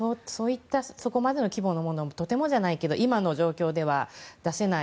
そこまでの規模のものはとてもじゃないけど今の状況では出せない。